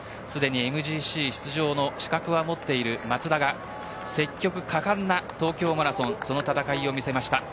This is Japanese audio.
ＭＧＣ出場の資格はすでに持っている松田は積極果敢な東京マラソンの戦いを見せました。